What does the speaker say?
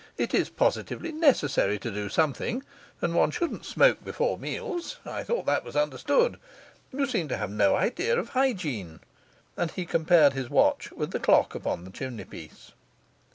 'It's positively necessary to do something; and one shouldn't smoke before meals. I thought that was understood. You seem to have no idea of hygiene.' And he compared his watch with the clock upon the chimney piece.